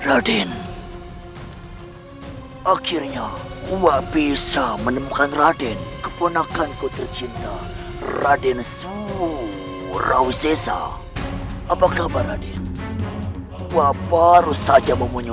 apakah anda tidak mendengar gerade yang kami berciuka ke hingga sekarang